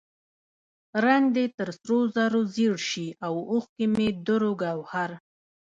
رنګ دې تر سرو زرو زیړ شي او اوښکې مې دُر و ګوهر.